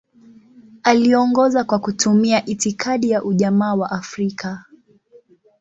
Aliongoza kwa kutumia itikadi ya Ujamaa wa Afrika.